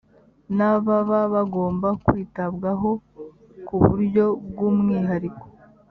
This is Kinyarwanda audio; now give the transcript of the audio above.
n ababa bagomba kwitabwaho ku buryo bw umwihariko